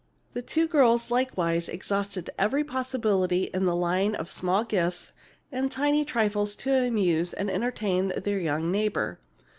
The two girls likewise exhausted every possibility in the line of small gifts and tiny trifles to amuse and entertain their young neighbor.